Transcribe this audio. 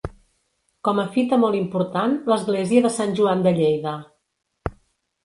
Com a fita molt important l'església de Sant Joan de Lleida.